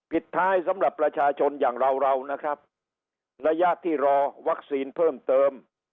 ปิดท้ายสำหรับประชาชนอย่างเราเรานะครับระยะที่รอวัคซีนเพิ่มเติม